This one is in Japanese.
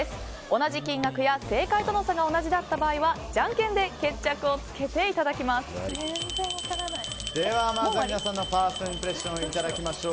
同じ金額や正解との差が同じだった場合はじゃんけんで決着をつけてまずは皆さんのファーストインプレッションをいただきましょう。